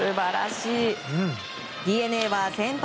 ＤｅＮＡは先発